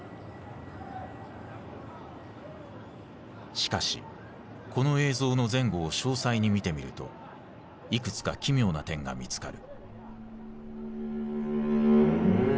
しかしこの映像の前後を詳細に見てみるといくつか奇妙な点が見つかる。